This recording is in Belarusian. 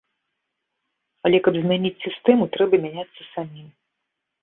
Але каб змяніць сістэму, трэба мяняцца самім.